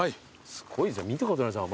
すごい見たことないですよ